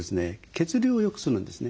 血流をよくするんですね。